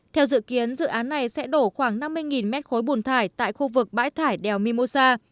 theo dự kiến dự án này sẽ đổ khoảng năm mươi mét khối bùn thải tại khu vực bãi thải đèo mimosa